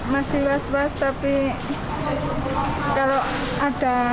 masih was was tapi kalau ada protokol kesehatan